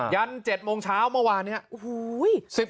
ยัน๗โมงเช้าเมื่อวานเนี่ย